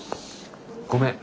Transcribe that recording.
ごめん。